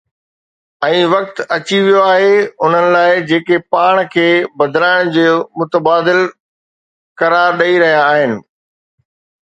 ۽ وقت اچي ويو آهي انهن لاءِ جيڪي پاڻ کي بدلائڻ جو متبادل قرار ڏئي رهيا آهن.